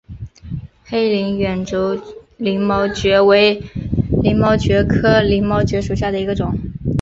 黑鳞远轴鳞毛蕨为鳞毛蕨科鳞毛蕨属下的一个种。